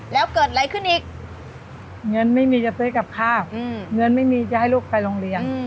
แล้วเกิดอะไรขึ้นอีกเงินไม่มีจะซื้อกับข้าวเงินไม่มีจะให้ลูกไปโรงเรียน